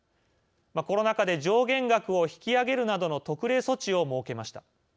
コロナ禍で上限額を引き上げるなどの特例措置を設けました。